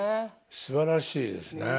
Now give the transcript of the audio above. すばらしいですね。